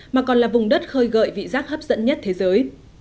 mà còn là vùng đất khơi gợi vị rác hấp dẫn nhất thế giới